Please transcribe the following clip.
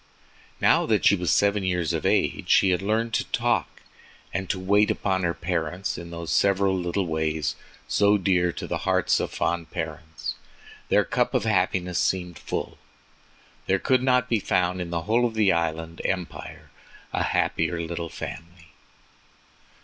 Now that she was seven years of age, and had learned to talk and to wait upon her parents in those several little ways so dear to the hearts of fond parents, their cup of happiness seemed full. There could not be found in the whole of the Island Empire a happier little family.